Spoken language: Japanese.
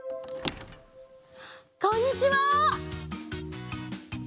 こんにちは！